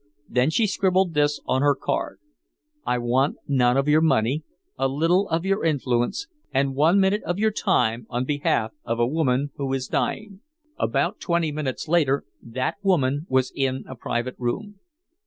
Then she scribbled this on her card: "I want none of your money, a little of your influence and one minute of your time on behalf of a woman who is dying." About twenty minutes later that woman was in a private room.